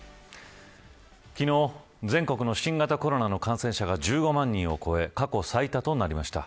昨日全国の新型コロナの感染者が１５万人を超え過去最多となりました。